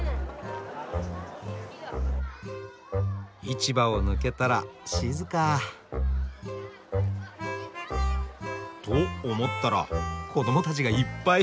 市場を抜けたら静か。と思ったら子どもたちがいっぱい。